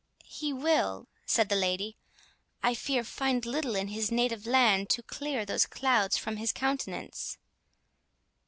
"He will," said the lady, "I fear, find little in his native land to clear those clouds from his countenance.